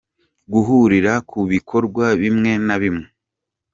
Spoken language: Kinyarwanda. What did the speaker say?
-Guhurira ku bikorwa bimwe na bimwe